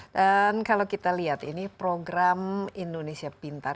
dan kalau kita lihat ini program indonesia pintar